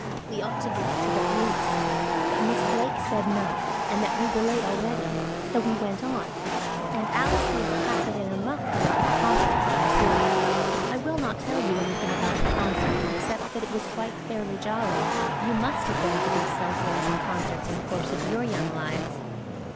We ought to give it to the police." But Miss Blake said no, and that we were late already, so we went on, and Alice held the packet in her muff throughout the concert which ensued. I will not tell you anything about the concert except that it was quite fairly jolly–you must have been to these Self Raising Concerts in the course of your young lives.